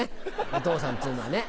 お父さんっていうのはね。